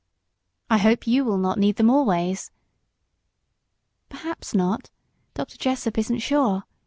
"I hope you will not need them always." "Perhaps not Dr. Jessop isn't sure.